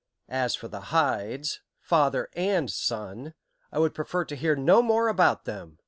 As for the Hydes, father and son, I would prefer to hear no more about them.